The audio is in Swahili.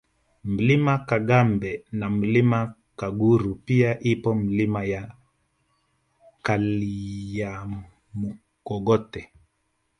Mlima Kagambe na Mlima Kaguru pia ipo Milima ya Kalyamukogote